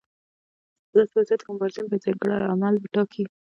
په داسې وضعیت کې مبارزین باید ځانګړي اعمال وټاکي.